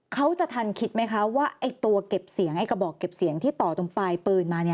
เขาจะทันคิดไหมคะตัวเก็บเสียงกระบอกมาที่ต่อตรงปลายเปิน